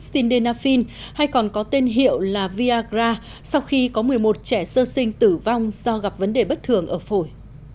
thuốc sindenafil hay còn có tên hiệu là viagra sau khi có một mươi một trẻ sơ sinh tử vong do gặp vấn đề bất thường ở phổi